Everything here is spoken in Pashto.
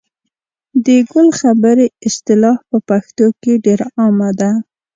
د ګل خبرې اصطلاح په پښتو کې ډېره عامه ده.